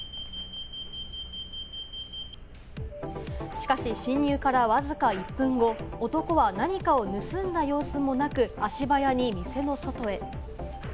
しかし、侵入からわずか１分後、男は何かを盗んだ様子もなく、足早に店の外へ。